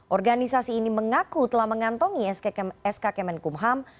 organisasi ini mengaku telah mengantongi sk kemenkumham